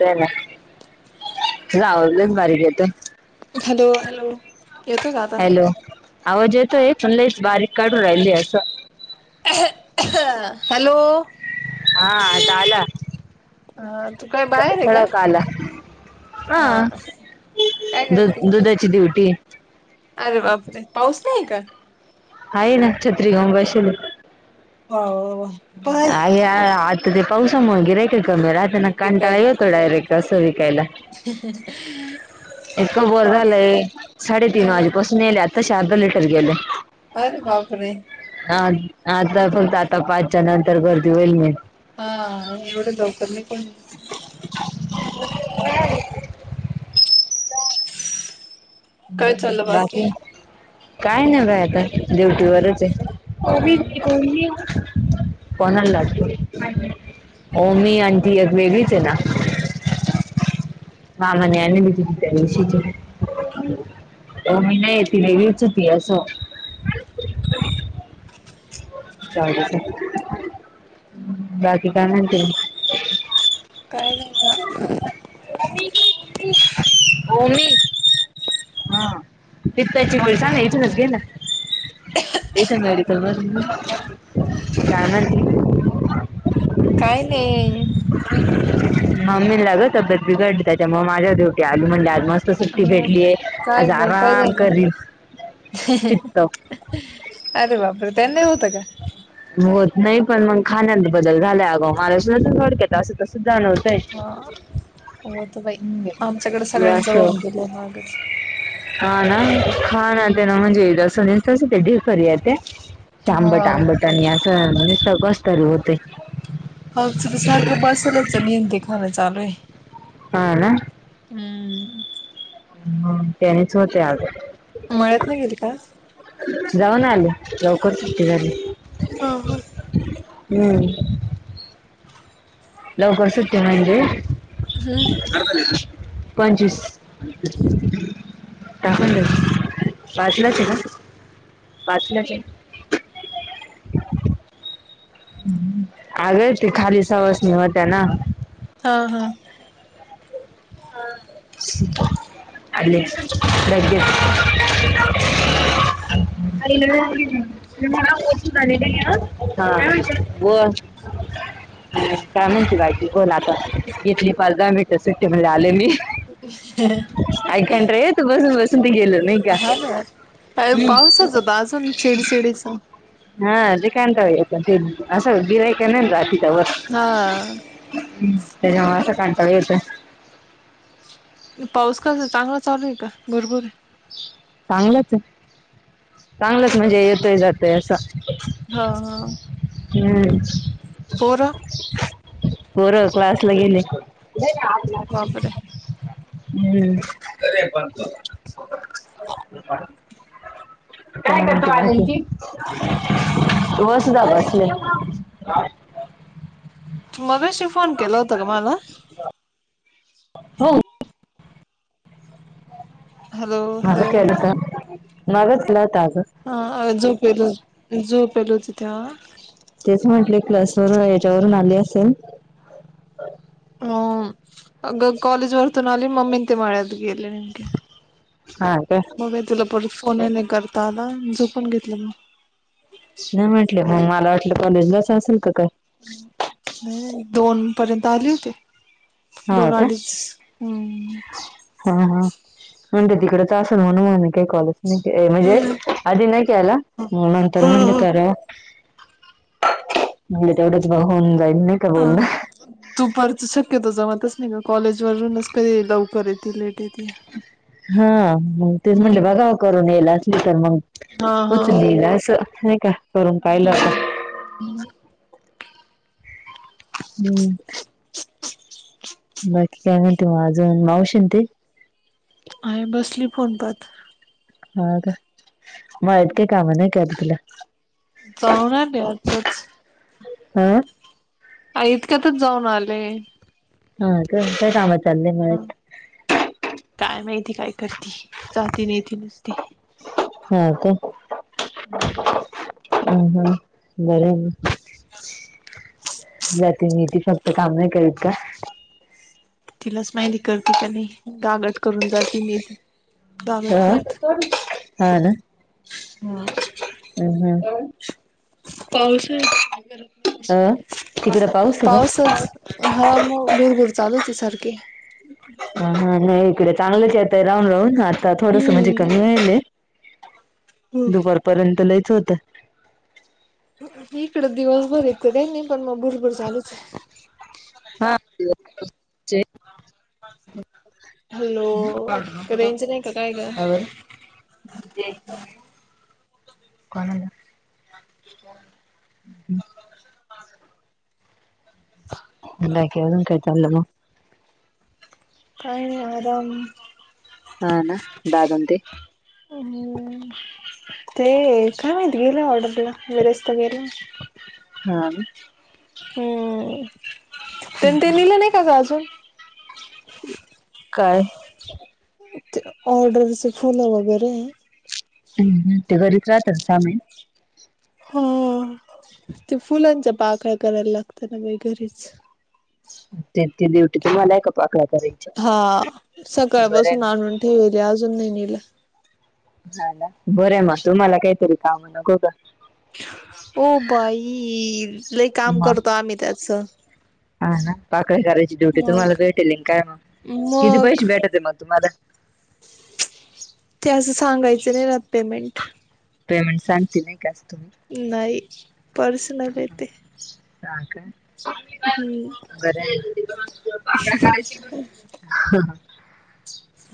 ते ना तुझा आवाज लई च बारीक येतोय. हॅलो हॅलो यतोय का आता. हॅलो आवाज येतो आहे. पण लई च बारीक काढून राहिली असं. हॅलो, हा आता आला. हा तू काय बाहेर आहे. वड का? काल. हा द करते? दुधाची ड्युटी अरे बापरे पाऊस नाही का? आहे ना छत्री घेऊन बसेल ये. हो. अ आता ते पावसामुळे नाही. गिरायक कमी राता ना दूध कंटाला विकायला येतो डायरेक्ट. कसं विकायला. इतक बोर पाऊस झालंय अ साडेतीन वाजेपासून येल्या. आता शी अर्धा लिटर गेले अरे बापरे आ आता फक्त आता पाच त्याच्या नंतर गर्दी होईल मेट हा एवढे लवकर नाही कोण येत. ह. काय चाललं बाकी काय नाही बगा आता ड्युटी वरच आहे. हा कोबी की तोंडली. कोणाला लाटत हो मी अंटी एक वेगळीच आहे ना, मामा नी आणली त्या दिवशी ची तोंडली नाही ती वेगळी च होती अस. काय भी संगती. ह बाकी काय म्हणते मग. काय नाही ग. ह ह [unintelligible] ओमी. हा पित्ता ची गोळी सांगयची ना, घे ना. इत मेडिकल मधून घे. काय म्हणती. काय नाही. मम्मी ला ग तब्येत बिघडली त्याच्यामुळे माझ्या ड्युटी आली म्हणली आज मस्त सुट्टी हा भेटलीय काय आज ग काय आराम झालं? करी अरे बापरे त्यांनी होत का. ग होत नाही पण मग खाण्यात बदल झाला अ गं मला सुद्धा डकेत असं तर सुद्धा नवत हा हो तर बाई आमच्याकडे सगळ्यांच असं होऊन गेलं मागच. हा ना खाणा पिन हम्म. म्हणजे द सुनी कस ते ढेकर येत्या हा आंबट आंबट असं म्ह कस तरी होते. क्चुली सारखं बसलच निेन ते खाणं चालू आहे. हाला हम्म ह तेनी शोते आज मळत नाही गेली का जाऊन आल लवकर सु्टी झाली हा हा हम्म लवकर सुट्टते म्हणजे हम् पंचस तण पाचलाचे ना पाचलाचे आगळ ती खाली सवस होत्या ना हा हा ह अ लगे अ ना [unintelligible] काय म्हणती बाहिज बोल आता घेतली पाच दहा मिनिटं सुट्टी म्हज आले मी [unintelligible] ऐकान रे तू बसून बसून ते गेलं नाही का हा पाऊसच होता अजून चेडीचिडीचा हा काता ते असं गिराक नाही राचार तेव हा असं काांता होेत पाऊस का चांगला चालूय का भरपूर आहे चांगलंच चांगलंच म्हणजे येतोय जातोय असं हा हा ह होर बर क्लासला गेले बापरे हम्म काय करत आी वसधग असले मग्याशी फोन केला होता का मला हो हॅलो हॅलो मगत केलास मगचला तग हा जो पेलो झो पेलो तथ तेच म्हटले क्लसवर याच्यावरून आले असेल ह अग कॉलेेज वरतोन अली मममीिंत म्याद गीयल् निमे हा ते मग बा तुला परत फोन नाही करता आला झोपून घेतलं मग नाही म्हटले मग मला वाटलं कॉलेजलाच असेल तर काय नाही दोन पर्यंत आले होते हो का दोनाडी हम्म हा हा म्हणते तिकडेच असेल म्हण मगी काही कॉलेच नाही म्हणजे अदनकयला म मंतर हो नल का म्हलं तेवढंच ब होन जाईल नाही का बोलणार ह तू परत शक्यतो जवातच नाही का कॉलेजवररूनच कधी लवकर येते लेट येते हा ते म्हटले हम्म बघा करून येईल असली तर मग. हा हा होत नलं असं नाही का करून पाहिलंता. हम्म हम्म बाकी काय म्हणती मग अजून मावशीन ते आहे बसली फोनपत हा का [unintelligible] मत का कामा नाही क तुला जाऊन आले आताच [unintelligible] हम [unintelligible] आ इतक्यातच जाऊन आले. [unintelligible] हा काय काम चाललेय मित. [unintelligible] काय माहिती काय करती. [unintelligible] जात नाहीतील नुसती हा हम्. [unintelligible] अ हा बरं ना. [unintelligible] प्रतिनी फक्त काम नाही करीत का? [unintelligible] तिलाच माहिती करते का नाही गागड करून जाती न ती. [unintelligible] हा हा ना हा हम् हम. [unintelligible] पाऊसच घरात बस अ तिकडे पाऊस आहे पाऊसच. [unintelligible] हा मग गुरघुर चालू होती सारखी. [unintelligible] ह नाही इकडे चांगलंच येतय राहून राहून आता थोडस म्हणजे हम्म कमी वल. [unintelligible] दुपारपर्यंत लईच होतं. [unintelligible] इकडं दिवसभर येत र नाही पण मग भरभर चालूच. [unintelligible] हा. [unintelligible] हॅलो रेंज नाही का काय ग? कावे. [unintelligible] कोणला. [unintelligible] ण. [unintelligible] हम्म. [unintelligible] हा क अनून कायताल ना. [unintelligible] काय आरम. [unintelligible] हा ना बा बतेी. [unintelligible] आणि. [unintelligible] ते काय मात गेलं ऑर्डरला वरस्त गेलं. [unintelligible] हम. [unintelligible] हम्म त्यांनी ते लिहिलं नाही का ग अजून. [unintelligible] काय. [unintelligible] ते ऑर्डरचे फुलं वगैरे. [unintelligible] ह ते घरीच राहतात सामान. [unintelligible] ह ते फुलांचा पाकळ्या करायला लागत ना म घरीच. [unintelligible] ते ते देवटी तुम्हालाय का पाकड कराय. [unintelligible] हा सकाळ बसून आणून ठेवेल अजून नाही नलं [unintelligible] ह बरे म तुम्हाला काहीतरी काम न ग [unintelligible] हो बाई लई काम मग करतो आम्ही त्याच [unintelligible] हा ना पाकळी करायची ड्युटी तुम्हाला मग भेटेल काय मग किती मग पैसे भेटते मग तुम्हाला [unintelligible] ते असं सांगायचं नाही रात पेमेंट [unintelligible] ते म्हण सांगतील नाही कास तुम्ही. [unintelligible] नाही पर्सनल येते. [unintelligible] आणक. [unintelligible] हम्म कड करायची. [unintelligible]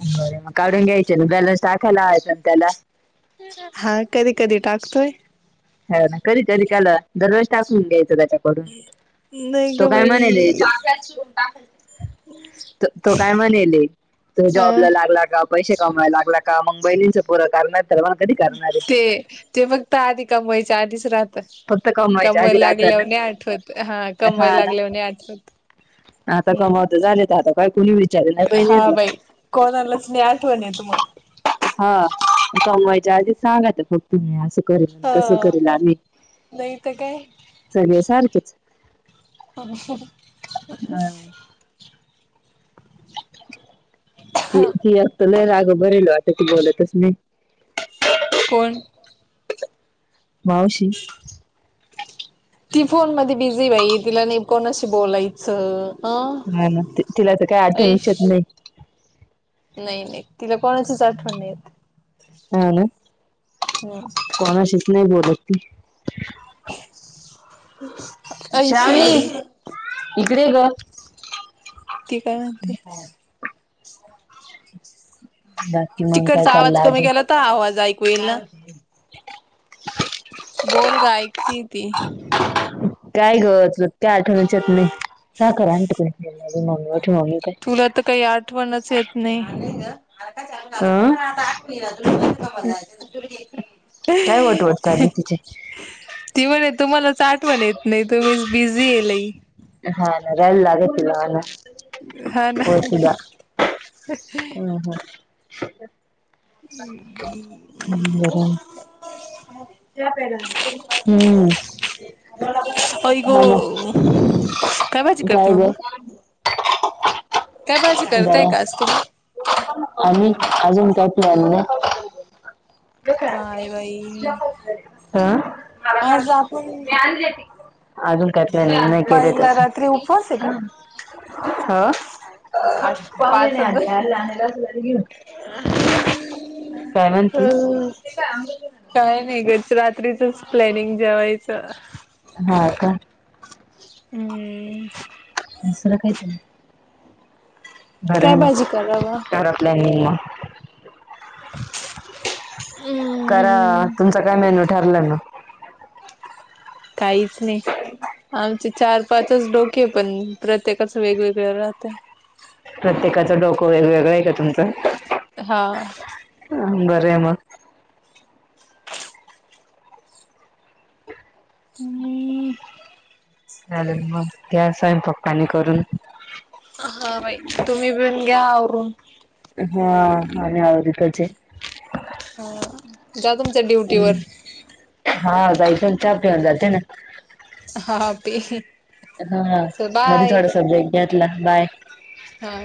बर मग कावडून घ्यायचे ना बॅलन्स टाकायला ह त्याला. [unintelligible] हा कधी कधी टाकतोय. [unintelligible] ह ना करी तरी कालं दररोज टाकून घ्यायचं त्याच्या नाही [unintelligible] तो ग काय म्हणेल [unintelligible] बाई. तो काय म्हणेल तो हा जॉबला लागला का [unintelligible] पैसे कमावायला लागला का मग बैलींच पुर कर. [unintelligible] ते ते मगत आधी कमवायचे आधीच राह. फक्त [unintelligible] कमवायच्या कमवय आधी राहता लागल्यावरणे ना आठवत हा कमय हा ना लागल्यावरने आठवत. आता कमावत हम्म झाले. आता काही कुणी विचारना बाई हा यातलं. कोणालाच नाही आठवण येत मग. हा, कमवायच्या आधी सांग फक्त असं कर तस हा करेल आम्ही नाही तर काय सगळे सारखेच अं, [unintelligible] ती एक तर लई राग भरिलो आता ती बोलतच नाही. कोण? मावशी. ती फोन मधी बिझी बाई तिला नाही कोणाशी बोलायचं. अ हा ना तिला तर काय आठवणच ऐश येत नाही. नाही नाही तिला कोणाचीच आठवण नाही येत. ह ना. हम. कोणाशीच नाही बोलत ती. [unintelligible] श्रावणी शेगडी इकडे ये ग. ती काय म्हणते? जा. तिकडचा आवाज कमी केला. तर आवाज ऐकू येईना. [unintelligible] बोल ग ऐकती ती. काय ग तुला काही आठवणच येत नाही. तुला तर काही आठवणच येत नाही. [unintelligible] अं? काय वटवट चालली तिचे ती म्हणे तुम्हालाच आठवण येत नाही. तुम्हीच बिझी आहे लय. हा ना राहील लागल तिला हा ना. हा ना पोहला हम् हम. हम्म बरं [unintelligible] हम्म. आई ग हा ना भाजी करते काय ग? मम्मा काय भाजी करताय बरा. का आज तुम्ही आम्ही, अजून काही प्लान ह मगं? काय बाई [unintelligible] हा. आज आपण अजून काही प्लॅनिंग नाही केलं बाईला तसं. रात्री उपवास आहे का पाहुण्यांनी पाचच जण आणेल. आणलं असेल तर ये घेऊन. काय म्हणती? अ फ्रीचच प्लानिंग जेवायचे. हा का. हम्. ह. दुसरं काही नाही. बरं आहे. काय भाजी करावा मग घरातले निम्मा. करा. हम्म तुमच काय मेन्यू ठरला मग? काहीच नाही. आमचे चार-पाच च डोके पण, प्रत्येकाच वेगवेगळ राहते. प्रत्येकाचं डोकं वेगळं वेगळं आहे का तुमचं. हा. हम्म, बरं आहे मग. [unintelligible] [unintelligible] चालेल मग घ्या. स्वयंपाक पाणी करून. हा बाई तुम्ही पण घ्या आवरून. हा आम्ही आवरतोच आहे. हा जा तुमच्या ड्युटीवर हा जाईन चहा पिऊन जाते ना. हा पे. हा चल मध्ये बाय थोडासा ब्रेक घेतला बाय. हा.